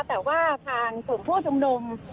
แต่ว่าทางส่วนผู้ชุมนุม